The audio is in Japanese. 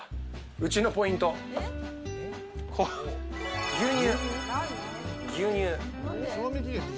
うちのポイント、牛乳。